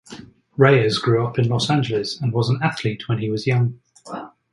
Reyes grew up in Los Angeles and was an athlete when he was young.